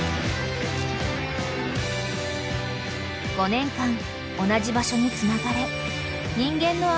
［５年間同じ場所につながれ］